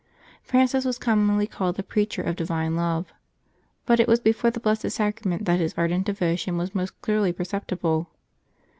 Francis was commonly called the Preacher of Divine Love. But it was before the Blessed Sacrament that his ardent devotion was most clearly perceptible.